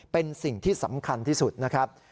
เป็นสิ่งที่สำคัญที่สุดนะครับ